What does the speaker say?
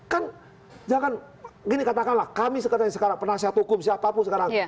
kan jangan gini katakanlah kami sekarang penasihat hukum siapapun sekarang